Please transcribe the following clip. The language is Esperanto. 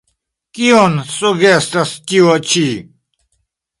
Kion sugestas tio ĉi?